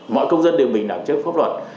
mọi công dân đều bình đẳng trước pháp luật